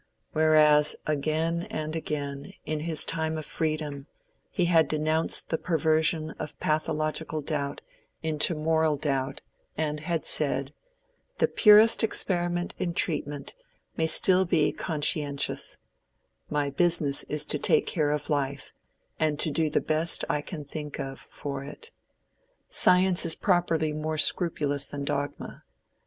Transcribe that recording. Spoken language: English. Whereas, again and again, in his time of freedom, he had denounced the perversion of pathological doubt into moral doubt and had said—"the purest experiment in treatment may still be conscientious: my business is to take care of life, and to do the best I can think of for it. Science is properly more scrupulous than dogma.